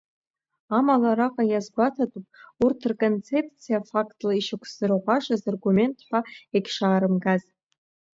Амала, араҟа иазгәаҭатәуп урҭ рконцепциа фактла ишьақәзырӷәӷәашаз аргумент ҳәа егьшаарымгаз.